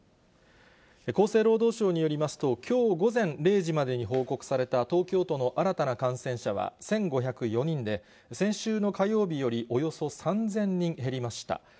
厚生労働省によりますと、きょう午前０時までに報告された、東京都の新たな感染者は１５０４人で、先週の火曜日よりおよそ３０００人減りました。